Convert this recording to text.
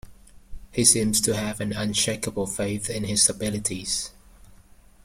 He seems to have an unshakeable faith in his abilities.